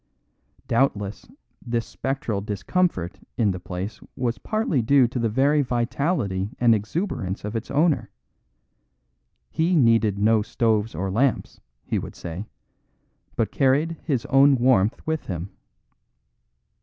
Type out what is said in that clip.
Doubtless this spectral discomfort in the place was partly due to the very vitality and exuberance of its owner; he needed no stoves or lamps, he would say, but carried his own warmth with him.